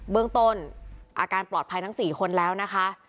เบื้องต้นอาการปลอดภัยทั้ง๔คนแล้วนะคะ